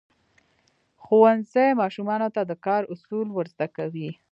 ښوونځی ماشومانو ته د کار اصول ورزده کوي.